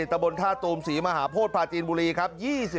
ตะบนท่าตูมศรีมหาโพธิพาจีนบุรีครับ